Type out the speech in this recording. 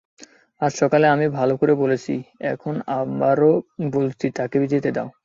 আজ সকালে আমি ভাল করে বলেছি,,,, এখন আবারো বলছি তাকে যেতে দাও।